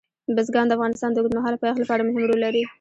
بزګان د افغانستان د اوږدمهاله پایښت لپاره مهم رول لري.